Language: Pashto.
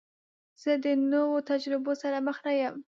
زه د نوو تجربو سره مخ نه یم.